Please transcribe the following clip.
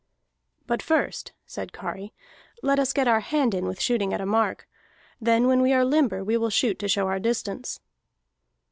"But first," said Kari, "let us get our hand in with shooting at a mark. Then when we are limber we will shoot to show our distance."